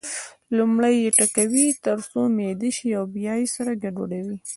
لومړی یې ټکوي تر څو میده شي او بیا یې سره ګډوي.